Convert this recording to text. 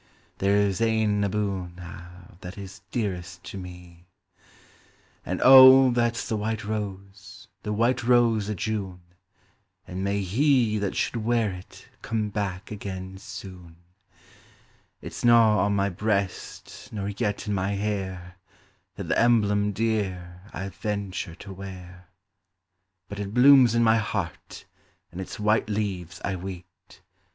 2 1 2 Lady Nairnes Songs. There's ane aboon a' that is dearest to me ; An' oh, that's the white rose, the white rose o' June, An' may he that should wear it come back again sune ! It's no on my breast, nor yet in my hair, That the emblem dear I venture to wear ; But it blooms in my heart, and its white leaves I weet.